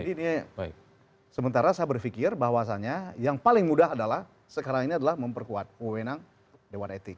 jadi ini sementara saya berfikir bahwasannya yang paling mudah adalah sekarang ini adalah memperkuat wewenang dewan etik